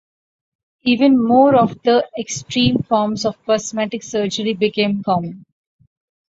Even more extreme forms of cosmetic surgery became common.